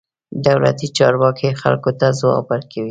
دولتي چارواکي خلکو ته ځواب ورکوي.